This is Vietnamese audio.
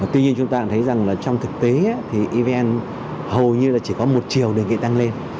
tuy nhiên chúng ta thấy rằng trong thực tế evn hầu như chỉ có một triệu đề nghị tăng lên